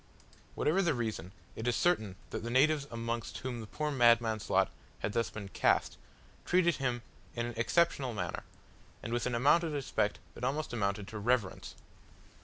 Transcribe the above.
Whatever the reason, it is certain that the natives amongst whom the poor madman's lot had thus been cast, treated him in an exceptional manner, and with an amount of respect that almost amounted to reverence.